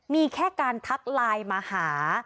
มีแค่การทักไลน์มาหา